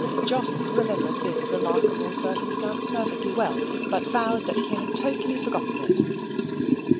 Jos remembered this remarkable circumstance perfectly well, but vowed that he had totally forgotten it.